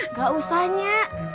nggak usah nyak